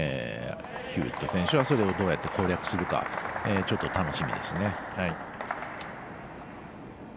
ヒューウェット選手はそれをどうやって攻略するかちょっと楽しみですね。